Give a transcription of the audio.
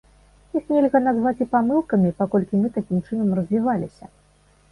Іх нельга называць і памылкамі, паколькі мы такім чынам развіваліся.